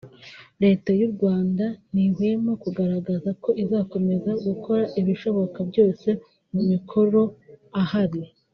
Leta y’u Rwanda ntihwema kugaragaza ko izakomeza gukora ibishoboka byose mu mikoro ahari